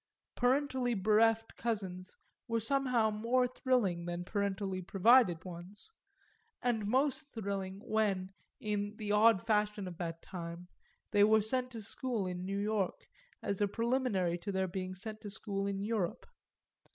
Parentally bereft cousins were somehow more thrilling than parentally provided ones; and most thrilling when, in the odd fashion of that time, they were sent to school in New York as a preliminary to their being sent to school in Europe.